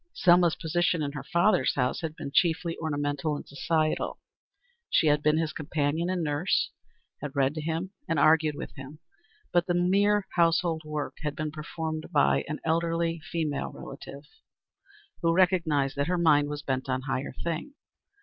Selma's position in her father's house had been chiefly ornamental and social. She had been his companion and nurse, had read to him and argued with him, but the mere household work had been performed by an elderly female relative who recognized that her mind was bent on higher things.